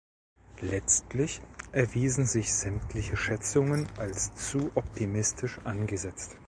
Letztlich erwiesen sich sämtliche Schätzungen als zu optimistisch angesetzt.